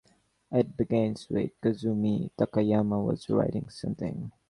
It begins with Kazumi Takayama was writing something.